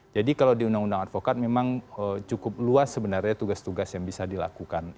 jadi kalau di undang undang advokat memang cukup luas sebenarnya tugas tugas yang bisa dilakukan